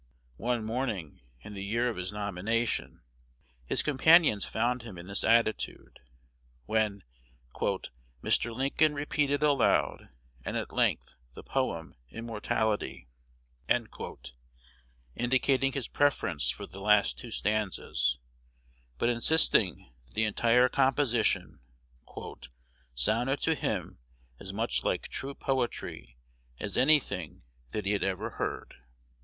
One morning, in the year of his nomination, his companions found him in this attitude, when "Mr. Lincoln repeated aloud, and at length, the poem 'Immortality,'" indicating his preference for the two last stanzas, but insisting that the entire composition "sounded to him as much like true poetry as any thing that he had ever heard."